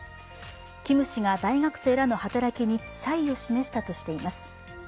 キム氏が大学生らの働きに謝意を示したとしています。